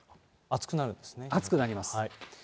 暑くなります。